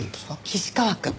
岸川くん。